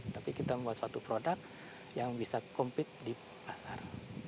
tapi kita membuat suatu produk yang bisa compete di pasar